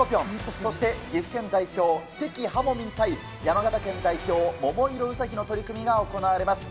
そして岐阜県代表、関はもみん対山形県代表、桃色ウサヒの取組が行われます。